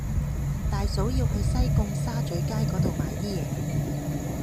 大嫂要去西貢沙咀街嗰度買啲嘢